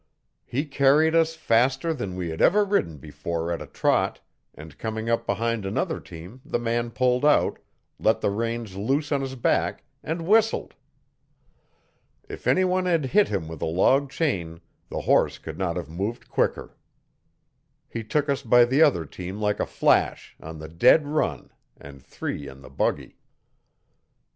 He carried us faster than we had ever ridden before at a trot, and coming up behind another team the man pulled out, let the reins loose on his back, and whistled. If anyone had hit him with a log chain the horse could not have moved quicker. He took us by the other team like a flash, on the dead run and three in the buggy.